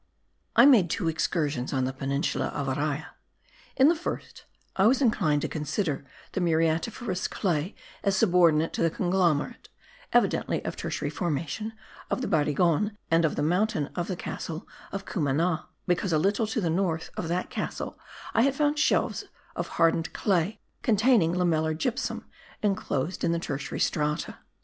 I made two excursions on the peninsula of Araya. In the first I was inclined to consider the muriatiferous clay as subordinate to the conglomerate (evidently of tertiary formation) of the Barigon and of the mountain of the castle of Cumana, because a little to the north of that castle I had found shelves of hardened clay containing lamellar gypsum inclosed in the tertiary strata.